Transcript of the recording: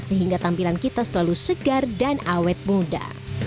sehingga tampilan kita selalu segar dan awet muda